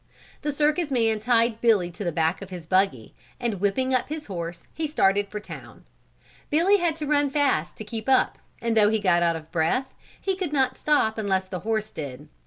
The circus man tied Billy to the back of his buggy and whipping up his horse he started for town. Billy had to run fast to keep up and though he got out of breath, he could not stop unless the horse did.